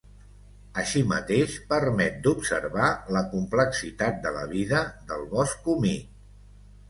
Així mateix, permet d'observar la complexitat de la vida del bosc humit.